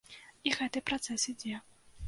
І гэты працэс ідзе.